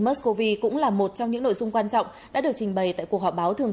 mexico cũng là một trong những nội dung quan trọng đã được trình bày tại cuộc họp báo thường